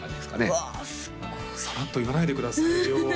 すごいさらっと言わないでくださいよ